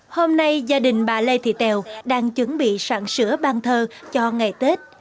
hôm nay gia đình bà lê thị tèo đang chuẩn bị sẵn sữa ban thờ cho ngày tết